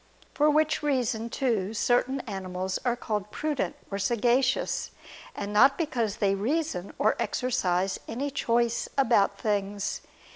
For which reason, too, certain animals are called prudent or sagacious; and not because they reason or exercise any choice about things.